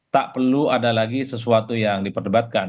tak perlu ada lagi sesuatu yang diperdebatkan